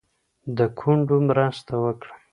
د کونډو مرسته وکړئ.